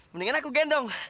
mendingan aku gendong